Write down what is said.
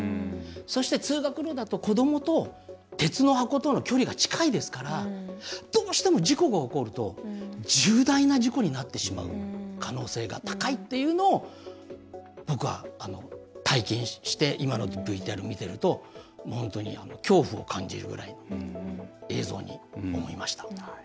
そして、通学路だと子どもと鉄の箱との距離が近いですからどうしても事故が起こると重大な事故になってしまう可能性が高いというのを僕は、体験して今のＶＴＲ見てると本当に恐怖を感じるぐらい映像に思いました。